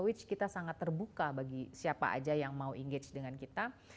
which kita sangat terbuka bagi siapa aja yang mau engage dengan kita